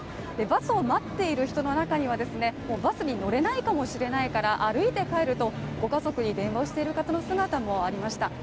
バスを待っている人の中にはバスに乗れないかもしれないから歩いて帰ると、ご家族に電話をしている人の姿もありました。